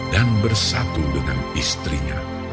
dan bersatu dengan istrinya